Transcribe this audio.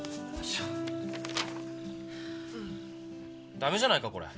ダメじゃないかこれ。